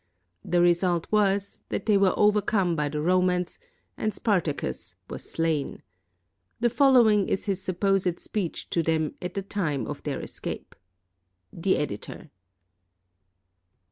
The result was that they were 360 SPARTACUS TO THE GLADIATORS overcome by the Romans, and Spartacus was slain. The following is his supposed speech to them at the time of their escape. The Editor.